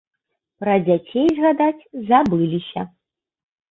Пра дзяцей згадаць забыліся.